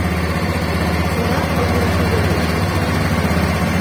Хужа был һөйләшеүҙе лә ишетеп тора.